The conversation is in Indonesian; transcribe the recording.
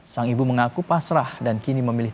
sang ibu mengaku pasrah dan kini memilih